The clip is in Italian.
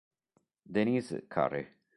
Denise Curry